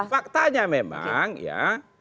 faktanya memang ya